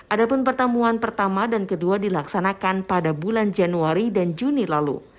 adapun pertemuan pertama dan kedua dilaksanakan pada bulan januari dan juni lalu